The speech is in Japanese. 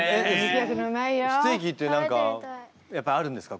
ステーキって何かやっぱりあるんですか？